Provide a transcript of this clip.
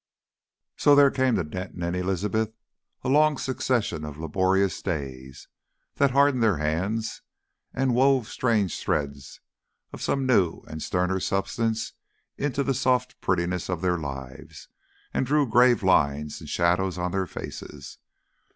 So there came to Denton and Elizabeth a long succession of laborious days, that hardened their hands, wove strange threads of some new and sterner substance into the soft prettiness of their lives, and drew grave lines and shadows on their faces.